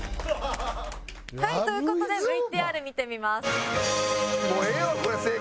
はいという事でＶＴＲ見てみます。